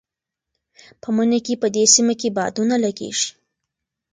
په مني کې په دې سیمه کې بادونه لګېږي.